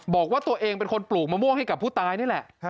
บอกว่าตัวเองเป็นคนปลูกมะม่วงให้กับผู้ตายนี่แหละ